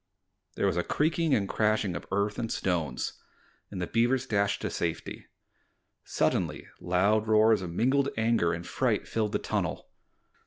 There was a creaking and crashing of earth and stones, and the beavers dashed to safety. Suddenly loud roars of mingled anger and fright filled the tunnel.